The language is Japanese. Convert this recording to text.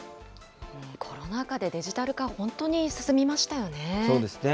コロナ禍でデジタル化、本当に進みましたよね。